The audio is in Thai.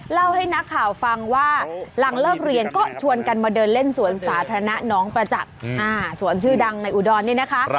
เล่าให้นักข่าวฟังว่าหลังเลิกเรียนก็ชวนกันมาเดินเล่นสวนสาธารณะน้องประจักษ์สวนชื่อดังในอุดรนี่นะคะ